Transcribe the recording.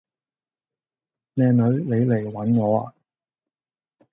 靚女，你嚟搵我呀